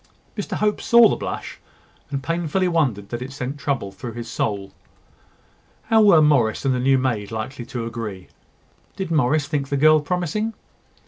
Mr Hope saw the blush, and painfully wondered that it sent trouble through his soul. How were Morris and the new maid likely to agree? Did Morris think the girl promising?